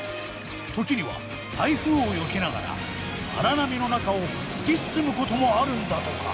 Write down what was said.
時には台風をよけながら荒波の中を突き進むこともあるんだとか。